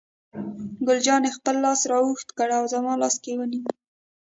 ګل جانې خپل لاس را اوږد کړ او زما لاس یې ونیو.